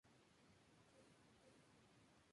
Otros huyeron hacia la provincia de Tucumán.